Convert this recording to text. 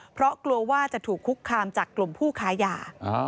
เพราะกลัวว่าจะถูกคุกคามจากกลุ่มผู้ค้ายา